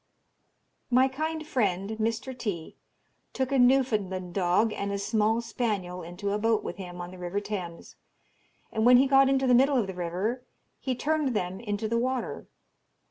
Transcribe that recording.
My kind friend, Mr. T , took a Newfoundland dog and a small spaniel into a boat with him on the river Thames, and when he got into the middle of the river, he turned them into the water.